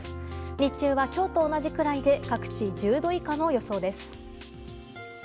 日中は今日と同じくらいで各地１０度以下の予想です。